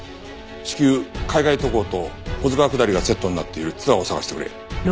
至急海外渡航と保津川下りがセットになっているツアーを探してくれ。